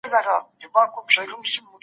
اسلامي شریعت تر ټولو عادلانه نظام دی.